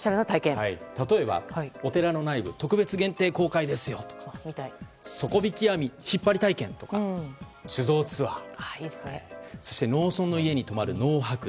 例えば、お寺の内部特別限定公開ですよとか底引き網引っ張り体験とか酒造ツアーとかそして、農村の家に泊まる農泊。